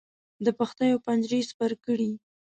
د پښتیو پنجرې سپر کړې.